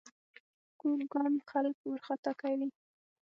کوږ ګام خلک وارخطا کوي